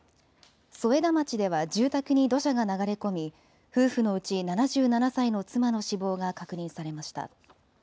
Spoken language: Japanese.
添田町では住宅に土砂が流れ込み夫婦のうち７７歳の妻の死亡が確認されました。